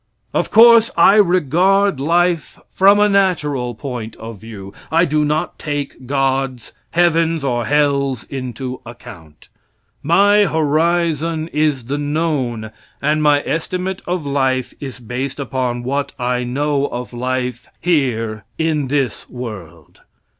Of course, I regard life from a natural point of view. I do not take gods, heavens or hells into account. My horizon is the known, and my estimate of life is based upon what I know of life here in this world.